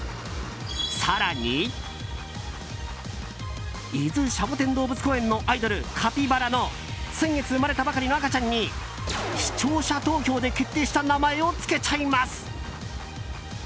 更に、伊豆シャボテン動物公園のアイドル、カピバラの先月生まれたばかりの赤ちゃんに視聴者投票で決定した名前を付けちゃいます。